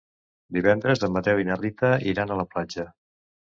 Divendres en Mateu i na Rita iran a la platja.